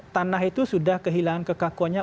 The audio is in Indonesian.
tanah itu sudah kehilangan kekakuannya